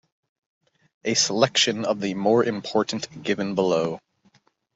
A selection of the more important given below.